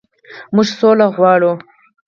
موږ سوله غواړو.